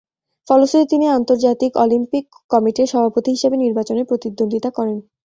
ফলশ্রুতিতে তিনি আন্তর্জাতিক অলিম্পিক কমিটির সভাপতি হিসেবে নির্বাচনে প্রতিদ্বন্দ্বিতা করেন।